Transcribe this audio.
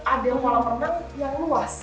ada kolam renang yang luas